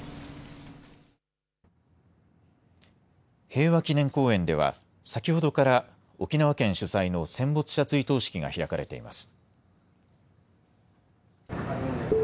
平和祈念公園では先ほどから沖縄県主催の戦没者追悼式が開かれています。